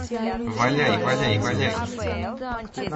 Валяй, валяй, валяй!